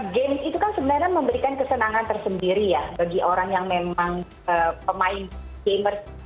games itu kan sebenarnya memberikan kesenangan tersendiri ya bagi orang yang memang pemain gamers